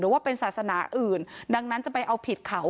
ว่าเป็นศาสนาอื่นดังนั้นจะไปเอาผิดเขา